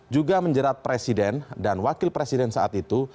juga menjerat presiden dan wakil presiden saat itu